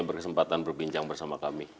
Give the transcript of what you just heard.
berkesempatan berbincang bersama kami